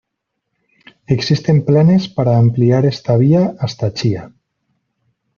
Existen planes para ampliar esta vía hasta Chía.